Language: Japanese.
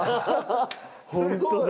ホントだ。